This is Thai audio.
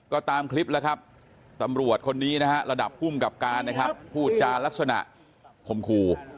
ก็ตามคลิปแล้วครับตำรวจคนนี้ระดับภูมิกับการพูดจารักษณะขมครู